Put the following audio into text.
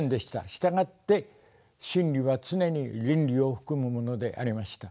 従って真理はつねに倫理を含むものでありました。